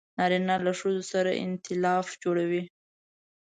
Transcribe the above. نارینه له ښځو سره ایتلاف جوړوي.